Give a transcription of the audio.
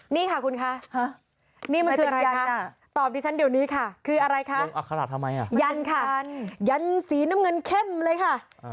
นี่ค่ะคุณคะนี่มันคืออะไรคะตอบดิฉันเดี๋ยวนี้ค่ะคืออะไรคะยันค่ะยันยันสีน้ำเงินเข้มเลยค่ะ